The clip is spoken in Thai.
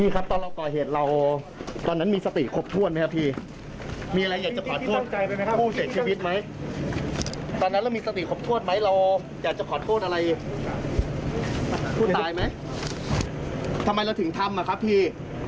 เราแค้นใจเขาหรือครับเราเก็บก่อนหรือครับพี่